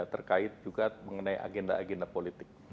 terkait juga mengenai agenda agenda politik